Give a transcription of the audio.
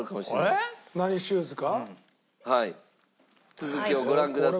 続きをご覧ください。